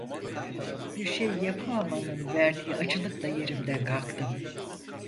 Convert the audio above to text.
Bir şey yapamamanın verdiği acılıkla yerimden kalktım…